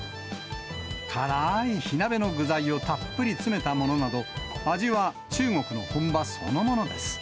辛ーい火鍋の具材をたっぷり詰めたものなど、味は中国の本場そのものです。